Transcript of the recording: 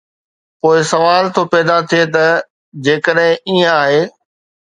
پوءِ سوال ٿو پيدا ٿئي ته جيڪڏهن ائين آهي.